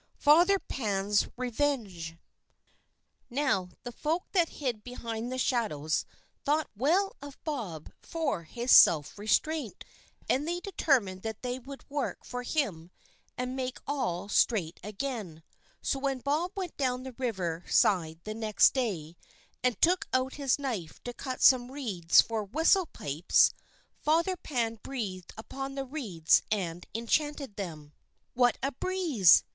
Father Pan's Revenge Now the folk that hide behind the shadows thought well of Bob for his self restraint, and they determined that they would work for him and make all straight again; so when Bob went down to the river side next day, and took out his knife to cut some reeds for "whistle pipes," Father Pan breathed upon the reeds and enchanted them. "What a breeze!"